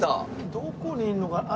どこにいるのかな？